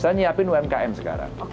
saya nyiapin umkm sekarang